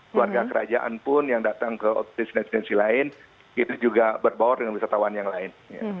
keluarga kerajaan pun yang datang ke destinasi lain itu juga berbaur dengan wisatawan yang lain